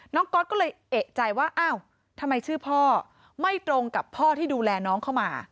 ก๊อตก็เลยเอกใจว่าอ้าวทำไมชื่อพ่อไม่ตรงกับพ่อที่ดูแลน้องเข้ามา